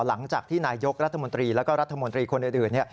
หลังจากที่นายยกรัฐมนตรีแล้วก็รัฐมนตรีคนอื่น